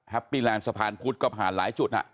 ปี้แลนด์สะพานพุธก็ผ่านหลายจุด